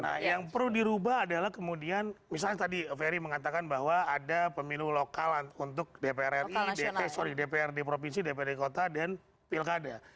nah yang perlu dirubah adalah kemudian misalnya tadi ferry mengatakan bahwa ada pemilu lokal untuk dprd dpd kota dan pilkada